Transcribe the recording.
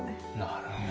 なるほど。